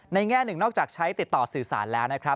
ในแง่หนึ่งนอกจากใช้ติดต่อสื่อสารแล้ว